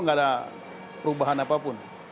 tidak ada perubahan apapun